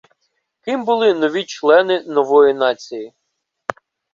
Ким були нові члени нової нації?